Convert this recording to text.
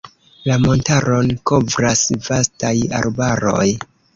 La montaron kovras vastaj arbaroj.